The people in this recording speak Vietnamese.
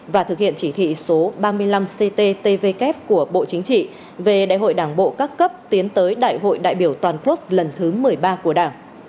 và thực hiện chỉ thị số ba mươi năm cttvk của bộ chính trị về đại hội đảng bộ các cấp tiến tới đại hội đại biểu toàn quốc lần thứ một mươi ba của đảng